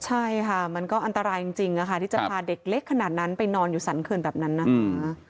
ใช่ค่ะมันก็อันตรายจริงนะคะที่จะพาเด็กเล็กขนาดนั้นไปนอนอยู่สรรเขื่อนแบบนั้นนะคะ